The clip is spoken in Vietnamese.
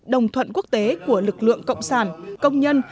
đồng thuận quốc tế của lực lượng cộng sản công nhân